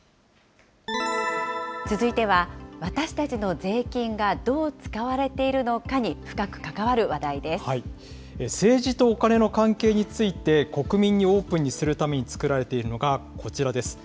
続いては私たちの税金がどう使われているのかに深く関わる話政治とお金の関係について、国民にオープンにするために作られているのがこちらです。